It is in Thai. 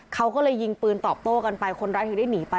เขาก็เลยยิงปืนตอบโต้กันไปคนร้ายถึงได้หนีไป